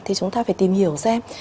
thì chúng ta phải tìm hiểu xem